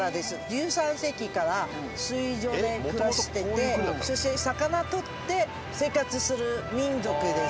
１３世紀から水上で暮らしててそして魚獲って生活する民族です。